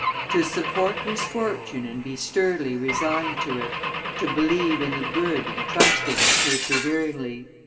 To support misfortune and be sturdily resigned to it; to believe in the good and trust in it perseveringly.